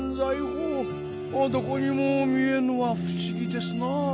どこにも見えぬは不思議ですなあ。